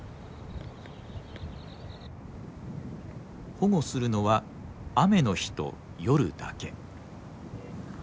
保護するのは雨の日と夜だけ。